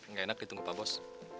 nggak enak ditunggu pak bos